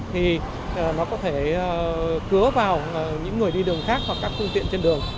thì nó có thể cứa vào những người đi đường khác hoặc các phương tiện trên đường